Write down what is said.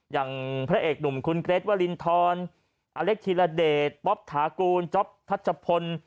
อย่างพระเอกหนุ่มคุณเกรทวรินทรอเล็กธีรเดชป๊อปถากูลจ๊อปทัชพล